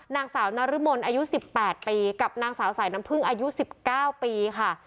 นางสาวนรมนต์อายุสิบแปดปีกับนางสาวใส่น้ำพรึงอายุสิบเก้าปีค่ะ